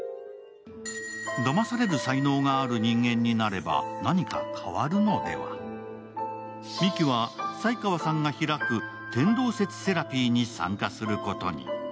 だまされる才能がある人間になれば、何か変わるのではミキは斉川さんが開く天動説セラピーに参加することに。